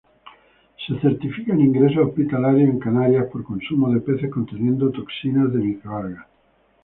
Se certifican ingresos hospitalarios en Canarias por consumo de peces conteniendo toxinas de microalgas.